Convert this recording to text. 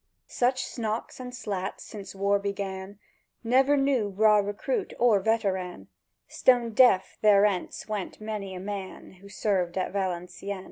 Such snocks and slats, since war began Never knew raw recruit or veteran: Stone deaf therence went many a man Who served at Valencieën.